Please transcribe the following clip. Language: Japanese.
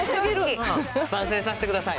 番宣させてください。